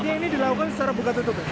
ini dilakukan secara buka tutup